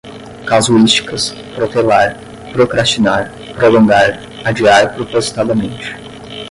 casuísticas, protelar, procrastinar, prolongar, adiar propositadamente